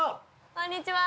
こんにちは。